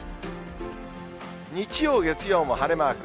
日曜、月曜も晴れマーク。